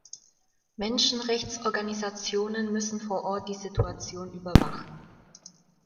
Menschenrechtsorganisationen müssen vor Ort die Situation überwachen.